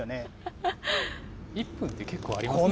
１分って結構ありますよね。